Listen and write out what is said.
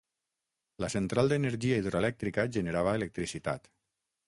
La central d'energia hidroelèctrica generava electricitat.